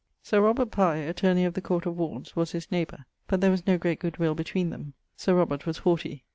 _ Sir Robert Pye, attorney of the court of wardes, was his neighbour, but there was no great goodwill between them Sir Robert was haughty.